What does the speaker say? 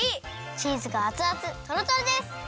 チーズがあつあつトロトロです！